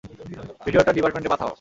ভিডিয়োটা ডিপার্টমেন্টে পাঠাও।